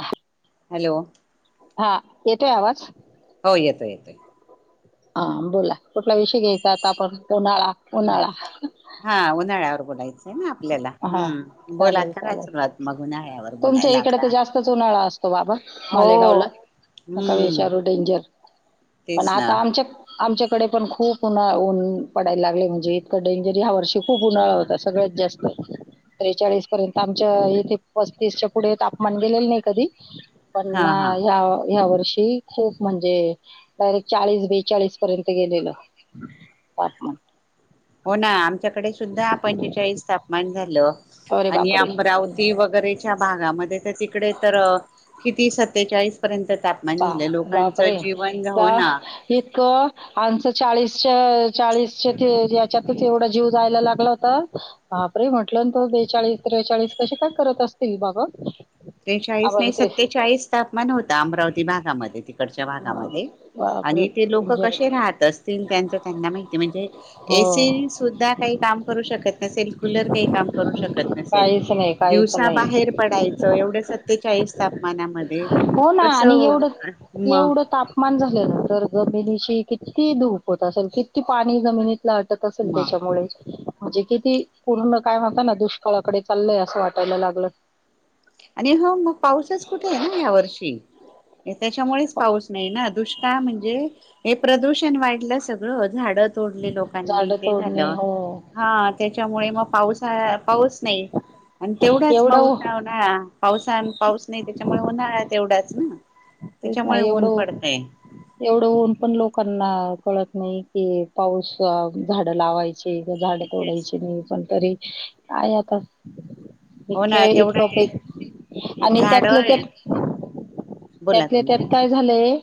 हा हॅलो. हा. येतोय आवाज? हो. येतोय येतोय. हा. बोला. कुठला विषय घ्यायचा आता आपण? उन्हाळा. ह. उन्हाळा हा. उन्हाळ्यावर बोलायचं. ना आपल्याला. हा हम्. चालेल बोलायच का सुरुवात मउन्हाळ्यावर यावर बोलायला. इथे आता जास्तच उन्हाळा अस - -तो बाबा हो मालेगावला. नका हम्म विेचारु डेंजर. पण तेच ना आता आमच्या- आमच्याकडे पण खूप उन्हाळा. उऊन पडायला लागल. म्हणजे इतकं डेंजर ह्या वर्षी खूप उन्हाळा होता सगळ्यात जास्त. अ त्रेचाळीस पर्यंत. आमच्या इथे पस्तीस च्या पुढे तापमान गेलेलं नाही कधी. हा त्यांना हा ह्या ह्या वर्षी- खूप म्हणजे डायरेक्ट चाळीस बेचाळीस पर्यंत गेलेलं तापमान. हो ना. आमच्याकडे सुद्धा पंचेचाळीस तापमान झालं. अरे आणि बापरे! अमरावती बा वगैरे- त्या भागामध्ये तर तिकडे तर किती सत्तेचाळीस पर्यंत तापमान- [unintelligible] लोकांचं जीवन हो ना. ईतक. आमचं चाळीसच्या, चाळीसच्या याच्यातच एवढा जीव जायला लागला होता. बापरे म्हटलं ना त बेचाळीस, त्रेचाळीस कसे काय करत असतील बाबा. बेचाळीस आम्हाला नाही ते सत्तेचाळीस. तापमान होता. अमरावती भागामध्ये, तिकडच्या बाप- भागामध्ये बापरे! आणि ते लोक डेंजर. कसे राहत अस. त्यांच त्यांना माहिती म्हणजे हो. एसी सुद्धा काही काम करू शकत नसेल. [inaudible] काही काम करू शकत नसेल काहीच नाही, काहीच दिवसा नाही. बाहेर पडायचं एवढे सतेचाळीस ताप. मनामध्ये हो कस म. मान झाल्यानंतर जमिनीची किती धूप होत असेल किती पाणी जमिनीत [inaudible] अटक असेल म त्याच्यामुळे. म्हणजे किती पूर्ण काय म्हताना दुष्काळाकडे चालय असं वाटायला लागलं. आणि ह मग पाऊसच कुठे आहे ना या वर्षी. त्याच्यामुळेच पाऊस नाही ना दुष्काळ म्हणजे. हे प्रदूषण वाढलं सगळं झाडं तोडली लोकांनी झाड ते तोडणे झालं. हो हा त्याच्यामुळे मग पाऊसा पाऊस नाही आणि तेवढाच एवढं मग उ- उन्हाळ्या. पावसा पाऊस नाही त्याच्यामुळे उन्हाळ्यात एवढाच [inaudible] ना तेच त्याच्यामुळे नाही ऊन एवढं. पडतय एवढं ऊन पण लोकांना कळत नाही की पाऊस झाड लावायची. झाड तेच तोडायची नाही. पण तरी काय आता. हो ना इतके [inaudible] तेवढं इतकप ते आणि झाड त्यातलं त्यात. बोला त्यातले तुम्ही त्यात काय झालंय.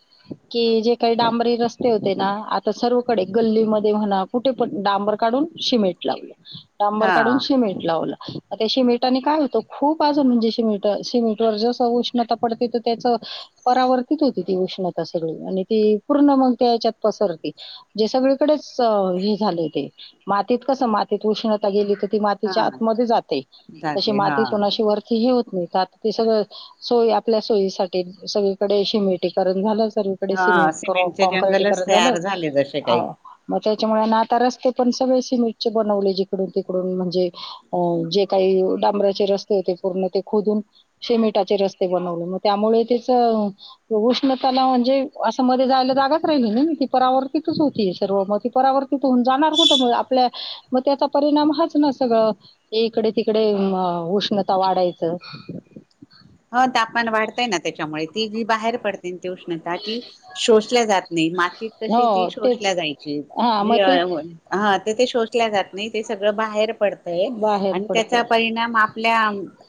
कि जे काही डांबरी रस्ते होते ना, आता सर्वकडे गल्लीमध्ये म्हणा कुठे पण डांबर काढून. शिमेंट लावलं डांबर हा काढून शिमेंट लावलं. त्या शिमेटने काय होतं खूप अजून म्हणजे. शिमेंट शिमेंटवर जसं उष्णता पडते तर त्याच. परावर्तीत होती ती उष्णता सगळी आणि ती पूर्ण मग त्या याच्यात पसरती. जे सगळीकडेच हे झाले ते. मातीत कस माती. [inaudible] उष्ण गेली ती मातीच्या हा आत [inaudible] जाते त जाते हा मातीतशी [inaudible] व होत नाही आ ते सगळं सोय आपल्या सोयीसाठी. [inaudible] सगळीकड शिमिटी करण झाला [inaudible] सर सगळीकड हा शिमिटी सिमेंटचे काॅन्क्रेटी जंगलच करण झाल. तयार झाले जसे काही मग त्याच्यामुळे नाता रस्ते पण सगळे शिमेटचे बनवले जिकडून, तिकडून म्हणजे. अ जे काही डांबराचे रस्ते होते. पूर्ण ते खोदून शिमेटाचे रस्ते बनवले म त्यामुळे त्याचं. उष्णताला म्हणजे असं मध्ये जायला जागच राहिली ना ती परावर्तीतच होती सर्व म ती परावर्ती. तिथून जाणार कुठ मग आपल्या मग त्याचा परिणाम हाच ना सगळं. [inaudible] ते इकडे, तिकडे उष्णता वाढायचं. ह तापमान वाढतंय ना त्याच्यामुळे ती जी बाहेर पडते ते उष्णता ती. शोषल्या जात नाही मातीत कशी ती हो शोषल्या तेच जायची. हा मग तेच हा ते ते शोषल्या जात नाही ते सगळं बाहेर पडतय बाहेर आणि पडते त्याचा परिणाम आप आपल्या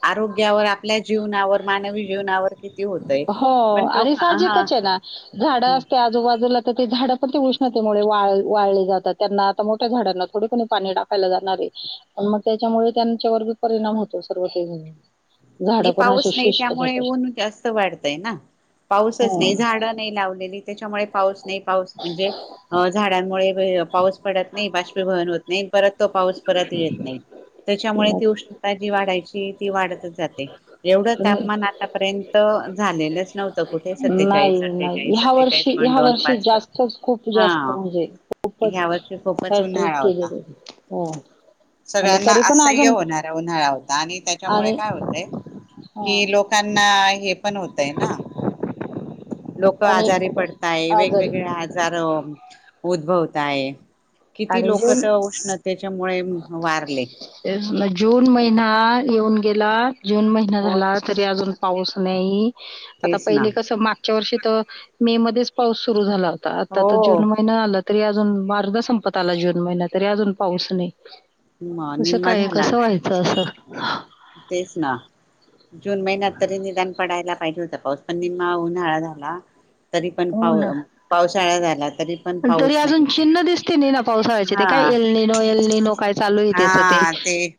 आरोग्यावर, आपल्या जीवनावर, मानवी जीवनावर. किती होतय हो पण आणि लोक हा साजिकच आहे ना. झाडं असते आजूबाजूला तर झाड. पण ते उष्णतेमुळे वा वाळले जातात त्यांना आता मोठ्या झाडांना थोडी कोणी पाणी टाकायला जाणार आहे. आणि मग त्याच्यामुळे त्यांच्यावर बी परिणाम होतो सर्व ते. झाड आणि पण असे पाऊस नाही शुष्क त्यामुळे जातात. ऊन जास्त वाढतय ना पाऊसच नाही. हम्म. झाड नाही लावलेली. त्याच्यामुळे, पाऊस नाही पाऊस म्हणजे, झाडांमुळे पाऊस पडत नाही, बाष्पीभवन होत नाही, परत तो पाऊस परत येत नाही. त्याच्यामुळे ती उष्णता जी वाढायची ती वाढतच जात एवढं तापमान आतापर्यंत झालेलंच नव्हतं, कुठे नाही सत्तेचाळीस, अठ्ठेचाळीस. नाही ह्या सत्तेचाळीस वर्षी, पॉईंट ह्या दोन वर्षी पाच जास्तच खूप हा जास्त म्हणजे खूपच ह्या वर्षी खूपच हॅट्रिक उन्हाळा होता. केलेले हो. आणि सगळ्यांना तरी पण असह्य अजून होणारा उन्हाळा होता आणि त्याच्यामुळे आणि काय होत हा कि लोकांना हे पण, होतय ना. लोक आणि आजारी पडताय, आजारी वेगवेगळे आजार उद्भवताय, किती आणि लोक जून तर उष्णतेच्यामुळे वारले. जून महिना येऊन गेला, जून महिना हो झाला. तरी अजून पाऊस नाही. आता तेच ना पहिले कस माग गच्या वर्षी तर, मे मध्येच पाऊस सुरु झाला होता. आता हो तर जून महिन आला तरी अजून आर्धा संपत आला जून महिना, तरी अजून पाऊस नाही. म कस निम्मा काय? झाला कसं व्हायचं असं? तेच ना. जून महिन्यात तरी निदान पडायला पाहिजे होतं. पाऊस पण निमा उन्हाळा झाला. तरी पण हो पाऊ ना पावसाळा झाला. तरी पण तरी पाऊस अजून नाहीये चिन्ह दिसते नाही ना पावसाळ्याचे, ते हा काय येल्लली नो येलली नो? हा. ते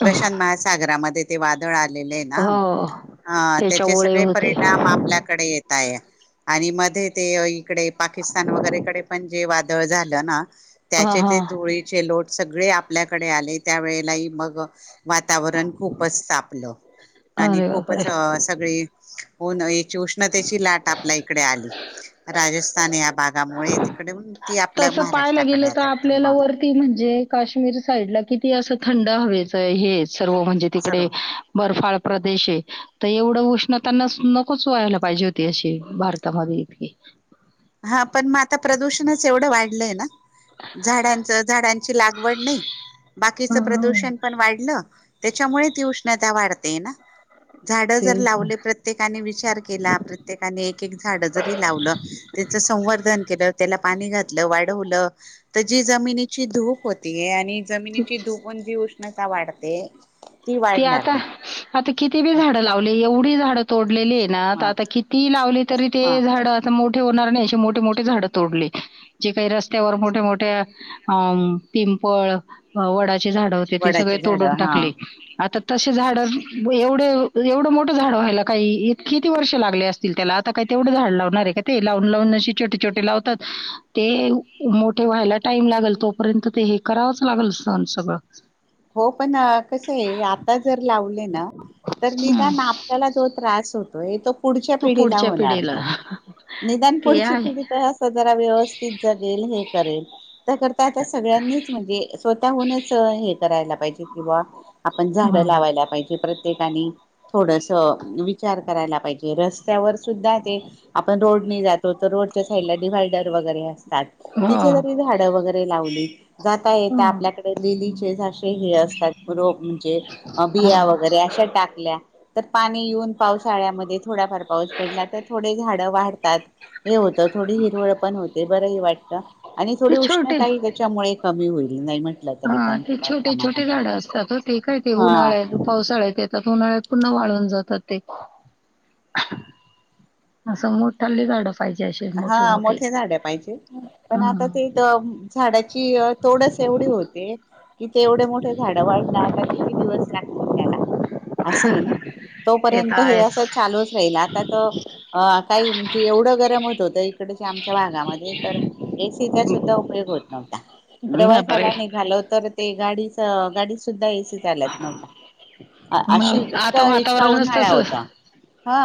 प्रशांत महासागरामध्ये वादळ आले ना. हो त्याचे त्याच्यामुळे सगळे होतंय परिणाम आपल्याकडे येताय आणि मध्ये ते इकडे पाकिस्तान वगैरेकडे पण जे झालं ना. हा त्याचे हा ते धुळीचे लोट सगळे आप आपल्याकडे आले. त्यावेेळेलाही मग वातावरण खूपच तापलं आणि अरे खूपच बापरे सगळे होऊन एक उष्णतेची लाट आपल्या इकडे आली, राजस्थान या भागामुळे तिकडे ती आपल्या तसं पाहायला महाराष्ट्राकडे गेलं तर आपल्याला वरती म्हणजे, काश्मीर साईड ला किती असं थंड हवेच हे सर्व म्हणजे तिकडे सर्व बर्फाळ प्रदेशेय. तर एवढं उष्णता नसू नकोच व्हायला पाहिजे होती. अशी भारतामध्ये इतकी हा. पण मग आता प्रदूषणच एवढं वाढलंय ना. झाडच झाडांची लागवड नाही. हा, बाकीच हा. प्रदूषण पण वाढलं. त्याच्यामुळे ती उष्णता वाढते ना. झाड जर ला तेच ना. प्रत्येकाने विचार केला. प्रत्येकाने एक एक झाड जरी लावलं. त्याच संवर्धन केलं, त्याला पाणी घातलं, वाढवलं तर जी जमिनीची धूप होतीय आणि जमिनीची धुपण जी उष्णता वाढते ती ते वाढणार आता, नाही आता किती बी झाडं लावले, एवढी झाडं तोडलेली आहे ना. म आता किती लावली तरी ते म झाड मोठे होणार नाही. अशी मोठीे मोठी झाडं तोडली. जे काही रस्त्यावर मोठ्या, मोठ्या अं पिंपळ, वडाची झाड होते ते सगळे वडाचे झाड तोडून हा टाकले. आता तसे झाड, एवढे एवढं मोठं झाड व्हायला काही किती वर्ष लागले अस त्याला आता काही तेवढं झाड लावणार आहे का ते, लावून लावून अे छोटे, छोटे लावतात ते. मोठे व्हायला टाईम लागेल तोपर्यंत ते हे, करावंच लागेल सण सगळं. हो पण कस आहे, आता जर लावले ना तर हम्म. निदान ना आपल्या जो त्रास होतो तो. पुढच्या तो पिढीला पुढच्या होणार नाही. पिढीला निदान ते पुढची आहे पिढी हो, जरा व्यवस्थित जगेल हे करेल. त्या करता आता सगळ्यांनीच म्हणजे स्वतः होनच हे. करायला पाहिजे किंवा आपण झाड हा लावायला पाहिजे प्रत्येकानी. थोडंसं विचार करायला पाहिजे रस्त्यावर सुुद्धा ते. आपण रोडने जातो तर रोडच्या साईडला डिववायडर वगैरे असत. तात तिथे जरी झाड वगैरे लावली जाता ये आपल्याकडे लिलीचे झाड. ते ही, असतात रोप म्हणजे बिया हा वगैरे अशा टाकल्या. तर पाणी येऊन पावसाळ्यामध्ये थोड्याफार पाऊस पडला तर थोडे झाडं वाढतात. हे होतं थोडी हिरवळ पण होते बरही वाटतं आणि थोडी ते छोटे उष्णताही [inaudible] त्याच्यामुळे कमी होईल नाही म्हटलं हा तरी पण ते थोड. छोटे छोटे झाडं असतात हो ते काय ते उन्हाळ्यात पावसाळ्यात येतात उन्हाळ्यात पुन्हा वाळून जातात ते. अस संगठाल्ली काढस. हा, मोठे झाड पाहिजे पण आता हं, तेथ. झाडाची अ तोडस एवढी होते. तीथे एवढे मोठे झाड वाढण आता किती दिवस लागतील त्याला. असं आहे ना ते तर तोपर्यंत हे आहेच असं चालूच राहील आता तर. अ, काही म्हणजे एवढं गरम होत होत इकडच्या आमच्या भागामध्ये तर. एसीचा सुद्धा उपयोग होत नव्हता बापरे प्रवासाला निघाल तर. ते गाडीच गाडी सुद्धा एसी चालत नवता. आ, अशी मग आता इतका इतका वातावरणच उन्हाळ्या तसं होता हा,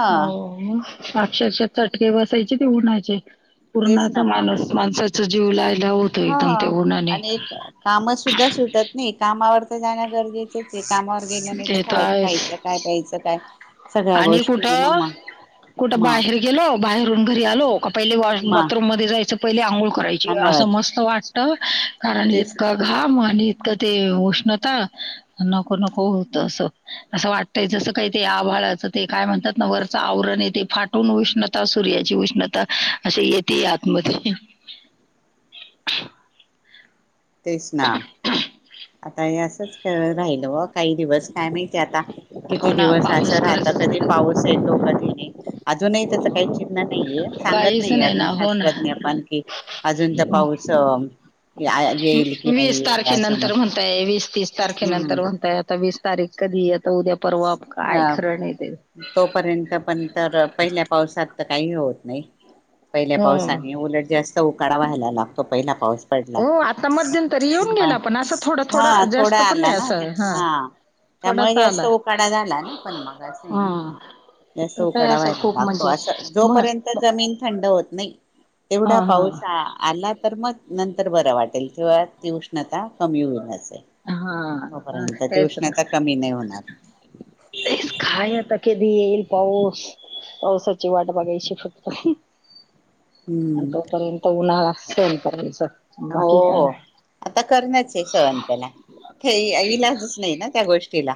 अक्षरश चटके बसायचे ते उन्हायचे. तेच पूर्णाचा ना मग माणूस माणसाचा जीव लायला होतो एकदम ते हा उणाने. आणि काम सुद्धा सुटत नाही कामावर तर जाणं गरजेचं. तेच की, कामावर गेलं नाही तर ते खाय आहेच खायचं काय प्यायचं काय. सगळ्या आणि गोष्टी आहे ना कुठं मग कुठ म बाहेर गेलो. बाहेरून घरी आलो का पहिले वॉ म बाथरूम मध्ये जायचं पहिले आंगोळ. कराय अस अंगोळाची मस्त वाटत कारण तेच ना इतका. घामा आणि इतकं ते उष्णता. नको नको होत असं असं वाटतय जसं काही ते आभाळच. ते काय म्हणतात ना वरच आवरण य तेे फाटून उष्णता सूर्याची उष्णता असे येते. ते आतमध्ये. तेस ना, आता असच राहिल व काही दिवस काय माहितीय आता. किती हो ना दिवस असं पाऊस राहत कधी. खरंच पाऊस येतो कधी नाही अजूनही त्याच काही चिन्ह नाहीये सांगत काहीच नाहीे नाही ना अजून हो ना शास्त्रज्ञ. हो. पाणखी अजून तर पाऊस या या. वीस तारखेनंतर म्हणताय वीस तीस हम्म तारखेनंतर म्हणताय आता वीस तारीख. कधी आता उद्या परवा काय ह खरंण य ते. तोपर्यंत पण तर पहिल्या पावसात तर काही होत नाही. पहिल्या हो. पावसाने उलट जास्त उकाडा व्हायलाला. तो पहिला पाऊस पडला हो आता मध्यंतरी येऊन गेला पण असं थोडा हा थोडा जास्त थोड्या पण आला नाही ना त्या. असं हा, त्यामुळे थोडासा जास्त आला. उकाडा झाला ना पण मग असं आहे ना. 'हां'' जास्त उकाडा व्हायला लागला लागतो असं जोपर्यंत. त मग जमीन थंड होत नाही तेवढा हा हा पाऊसा आ ''--'' आला तर मग नंतर बरं वाटेल तेव्हा ती उष्णता कमी होईलच. हा अ प्यायच का. कमी नाही होणार ते काय आता कधी येईल पाऊस पावसाची वाट बघायची फक्त. आणि हम्म तोपर्यंत उन्हाळा सहन करायच हो बाकी काय. हो आता करणच आहे सहण त्याला हे इलाजच नाही ना त्या गोष्टीला.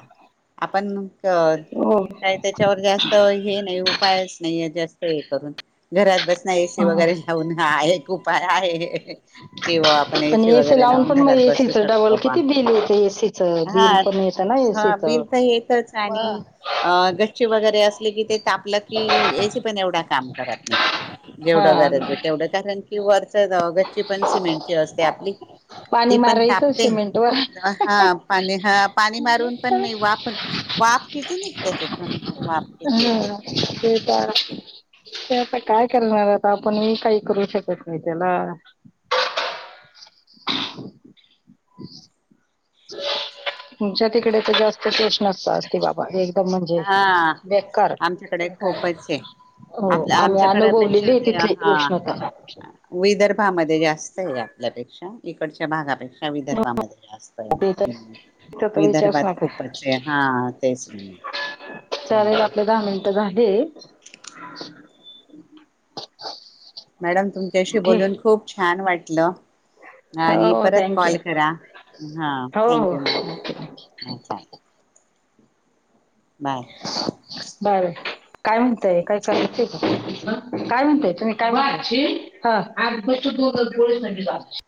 आपण- तर हो काय त्याच्यावर जास्त हे नाही उपायच नाहीय जास्त हे करून. घरात बसण एसी हा. वगैरे लावून आहे एक उपाय आहे किंवा आपण पण एसी वगैरे. लावून लावुन पण घरात मग बसु एसीचं डबल शकतो किती मग बिल येतं एसीचं हा बिल पण येतं ना हा एसीचं. बिल तर येईल. तेच आणि मग अ गच्ची वगैरे अस. की जे ते तापलं की ए एसि पण एवढा काम करत नाही जेवढ गरज हा हे तेवढ कारण. कि वरच गांव गच्ची पण सिमेंटची असते आपली. पाणी ती पण मारायचं तापते सिमेंटवर हा पाणी ह पाणी मारून पण नाही वाफ- वाफ. किती निघते त्यातुन वाप किती येते. हं. ते का त्याच काय. करणार तर आपणही काही करू शकत नाही त्याला. तुमच्या तिकडे तर जास्त केष नसता असते बाबा हे. तर म्हणजे हा बेकार आमच्याकडे काय खूपच आहे हो आपल्या आम्ही अनुभवलेली आमच्याकडेपेक्षा हे ते तिथले. हा उष्णता. विदर्भामध्ये जास्त आहे, आपल्यापेक्षा इकडच्या भागापेक्षा. हा हो, विदर्भामध्ये जास्त् ते तर हे. तिथं तर विचारच विदर्भात नका खूपच आहे हा तेच. चालेल आपले दहा मिनिट झाले. मॅडम तुमच्याशी ठे बोलून खूप छान वाटलं. आणि हो परत थँक्यू कॉल करा, हा हो हो थँक्यू मॅम, ह चालेल. बाय. बाय. काय म्हणताय, काय करायचं, का काय म्हणताय, तुम्ही काय म्हण- ह आठपैकी दोनच पोळीसन भिजास.